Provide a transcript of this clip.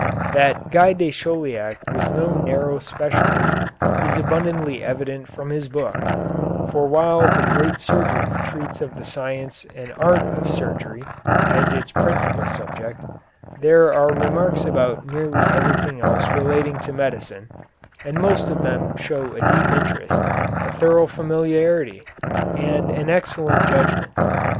That Guy de Chauliac was no narrow specialist is abundantly evident from his book, for while the "Great Surgery" treats of the science and art of surgery as its principal subject, there are remarks about nearly everything else relating to medicine, and most of them show a deep interest, a thorough familiarity, and an excellent judgment.